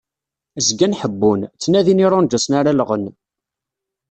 Zgan ḥebbun, ttnadin irunǧasen ara llɣen.